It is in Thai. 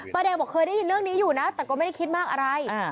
แดงบอกเคยได้ยินเรื่องนี้อยู่นะแต่ก็ไม่ได้คิดมากอะไร